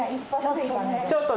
ちょっと。